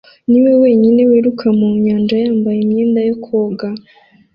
niwe wenyine wiruka mu nyanja yambaye imyenda yo koga